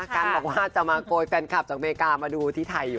กันบอกว่าจะมาโกยแฟนคลับจากอเมริกามาดูที่ไทยอยู่